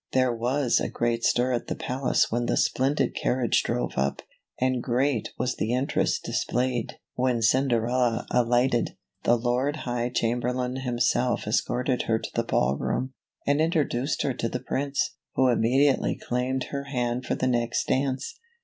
There was a great stir at the palace when the splendid carriage drove up, and great was the interest displayed when THE FLIGHT FROM THE BALL. CINDERELLA , OR THE LITTLE GLASS SLIPPER. Cinderella alighted. The Lord High Chamberlain himseh escorted her to the ball room, and introduced her to the Prince, who immediately claimed her hand for the next dance.